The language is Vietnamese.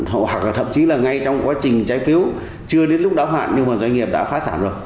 hoặc là thậm chí là ngay trong quá trình trái phiếu chưa đến lúc đáo hạn nhưng mà doanh nghiệp đã phá sản rồi